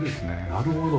なるほど。